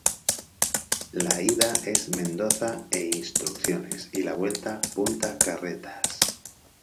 La ida es Mendoza e Instrucciones y la vuelta Punta Carretas.